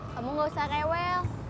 kamu gak usah rewel